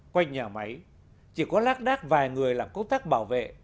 quanh nhà máy chỉ có lác đác vài người làm công tác bảo vệ